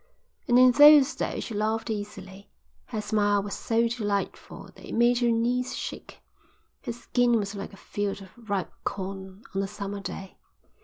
And in those days she laughed easily. Her smile was so delightful that it made your knees shake. Her skin was like a field of ripe corn on a summer day.